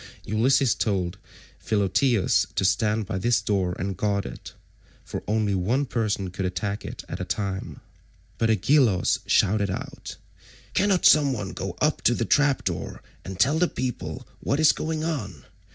Ulysses told Philoetius to stand by this door and guard it, for only one person could attack it at a time. But Agelaus shouted out, "Cannot some one go up to the trap door and tell the people what is going on?